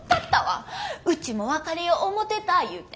ウチも別れよ思うてた言うて。